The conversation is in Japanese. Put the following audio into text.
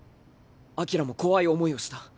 アキラも怖い思いをした。